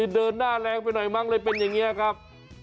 เดินหน้าแรงไปหน่อยมั้งเลยเป็นอย่างนี้ครับ